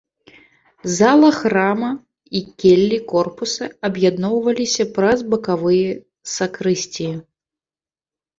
Зала храма і келлі корпуса аб'ядноўваліся праз бакавыя сакрысціі.